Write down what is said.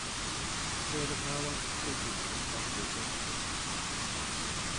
He was a farmer, school teacher and school principal.